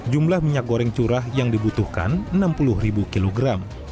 jumlah minyak goreng curah yang dibutuhkan enam puluh kg